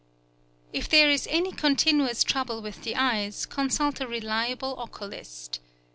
If there is any continuous trouble with the eyes, consult a reliable oculist.